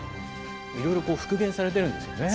いろいろ復元されてるんですよね。